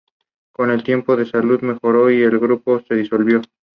Con el tiempo su salud mejoró, y el grupo se disolvió.